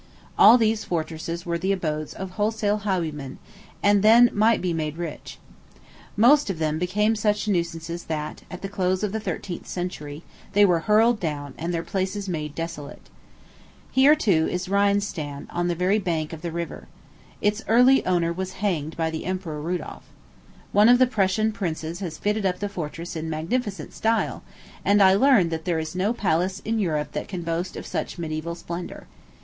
All these fortresses were the abodes of wholesale highwaymen, and then might made right. Most of them became such nuisances that, at the close of the thirteenth century, they were hurled down, and their places made desolate. Here, too, is Rheinstein, on the very bank of the river. Its early owner was hanged by the Emperor Rudolph. One of the Prussian princes has fitted up the fortress in magnificent style; and I learn that there is no palace in Europe that can boast of such mediæval splendor.